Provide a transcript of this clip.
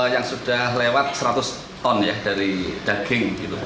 yang sudah lewat seratus ton ya dari daging